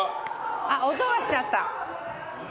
音がしちゃった。